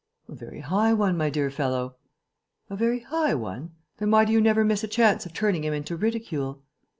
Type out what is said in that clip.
"A very high one, my dear fellow." "A very high one? Then why do you never miss a chance of turning him into ridicule?"